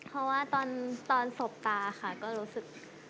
เพราะว่าตอนสบตาค่ะก็รู้สึก